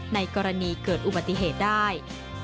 ในกรณีเกิดอุบัติเหตุได้